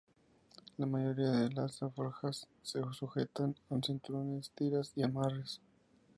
La mayoría de las alforjas se sujetan con cinturones, tiras y amarres.